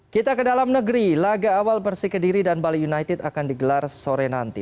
kita ke dalam negeri laga awal bersih kediri dan bali united akan digelar sore nanti